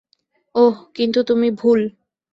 ওহ কিন্তু তুমি ভুল।